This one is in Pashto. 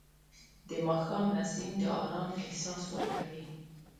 د ماښام نسیم د آرام احساس ورکوي